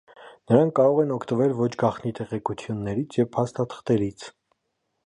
Նրանք կարող են օգտվել ոչ գաղտնի տեղեկություններից և փաստաթղթերից։